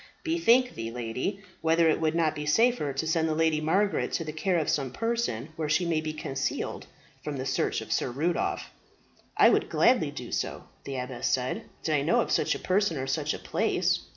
Bethink thee, lady, whether it would not be safer to send the Lady Margaret to the care of some person, where she may be concealed from the search of Sir Rudolph." "I would gladly do so," the abbess said, "did I know of such a person or such a place.